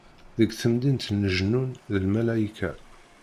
Deg temdint n lejnun d lmalayka.